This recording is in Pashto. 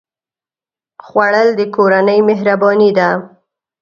خوړل د کورنۍ مهرباني ده